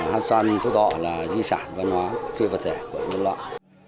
hát xoan phú thọ là di sản văn hóa phi vật thể của nhân loại